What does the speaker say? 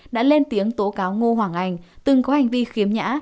đã lên tiếng tố cáo ngô hoàng anh từng có hành vi khiếm nhã